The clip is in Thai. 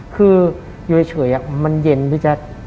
คืออยู่เฉยมันเย็นพี่แจ๊ค